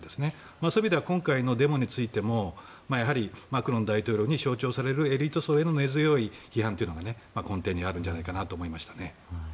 そういう意味では今回のデモについてもやはりマクロン大統領に象徴されるエリート層への根強い批判が根底にあるんじゃないかなと思いました。